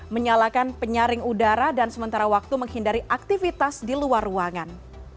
menyalakan penyaring udara dan sementara waktu menghindari aktivitas di luar ruangan